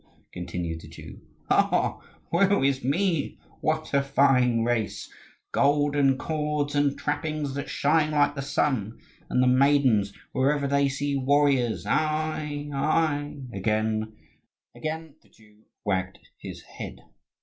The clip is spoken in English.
continued the Jew. "Ah, woe is me, what a fine race! Golden cords and trappings that shine like the sun; and the maidens, wherever they see warriors Ai, ai!" Again the Jew wagged his head.